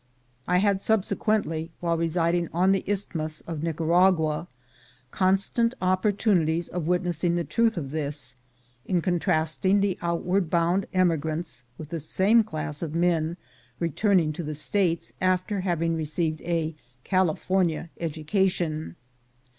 I had subsequently, while residing on the Isthmus of Nicaragua, constant opportunities of witnessing the truth of this, in contrasting the out%vard bound emigrants with the same class of men returning to the States after having received a California educa tion.